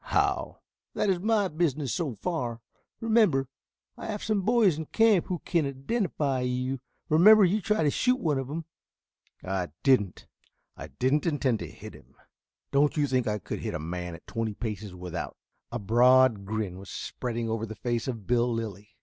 "How?" "That is my business so far. Remember I have some boys in camp who can identify you. Remember you tried to shoot one of them." "I didn't. I didn't intend to hit him. Don't you think I could hit a man at twenty paces without " A broad grin was spreading over the face of Bill Lilly.